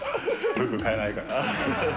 服買えないから。